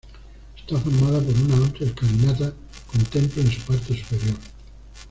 Está formada por una amplia escalinata con templo en su parte superior.